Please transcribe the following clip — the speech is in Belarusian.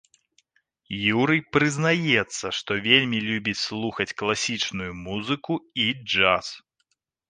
Юрый прызнаецца, што вельмі любіць слухаць класічную музыку і джаз.